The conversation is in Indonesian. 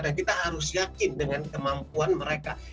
dan kita harus yakin dengan kemampuan mereka